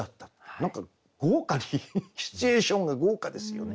何か豪華にシチュエーションが豪華ですよね。